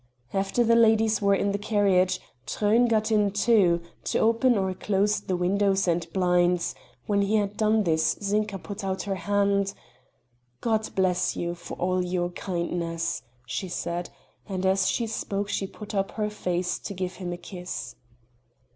After the ladies were in the carriage Truyn got in too, to open or close the windows and blinds; when he had done this Zinka put out her hand: "God bless you, for all your kindness," she said, and as she spoke she put up her face to give him a kiss.